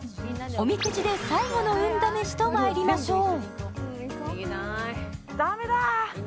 おみくじで最後の運試しとまいりましょう。